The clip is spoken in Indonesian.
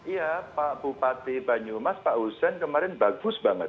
ya pak bupati banyumas pak hussein kemarin bagus banget